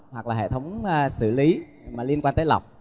hoặc là hệ thống xử lý liên quan tới lọc